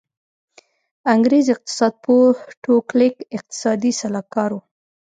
انګرېز اقتصاد پوه ټو کلیک اقتصادي سلاکار و.